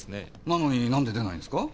なのになんで出ないんですか？